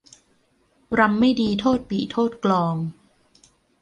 รำไม่ดีโทษปี่โทษกลอง